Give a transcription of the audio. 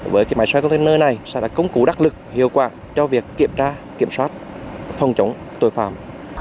với cái máy soi container này sẽ là công cụ đắc lực hiệu quả cho việc kiểm tra kiểm soát phòng chống tội phạm